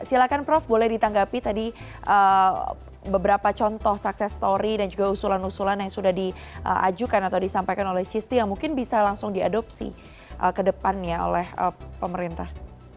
silahkan prof boleh ditanggapi tadi beberapa contoh sukses story dan juga usulan usulan yang sudah diajukan atau disampaikan oleh cisti yang mungkin bisa langsung diadopsi ke depannya oleh pemerintah